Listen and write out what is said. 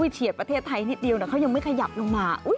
เฉียดประเทศไทยนิดเดียวเขายังไม่ขยับลงมา